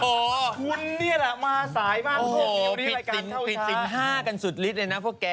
พี่ใช่ปิดสิน๕กันสุดลิตเนี่ยนะพวกแกใบเนี่ย